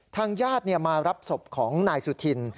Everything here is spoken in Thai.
ทางญาติมารับศพของนายสุธิน